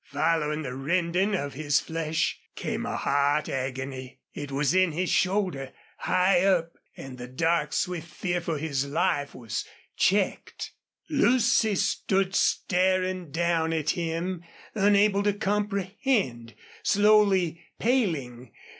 Following the rending of his flesh came a hot agony. It was in his shoulder, high up, and the dark, swift fear for his life was checked. Lucy stood staring down at him, unable to comprehend, slowly paling.